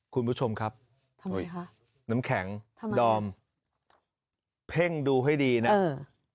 คุณผู้ชมครับทำไมคะน้ำแข็งทำดอมเพ่งดูให้ดีนะเออ